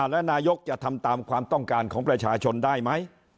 และนายกจะทำตามความต้องการของประชาชนได้ไหม